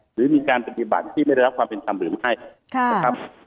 หรือมีการปฏิบัติที่ไม่ได้รับความเป็นธรรมหรือไม่นะครับ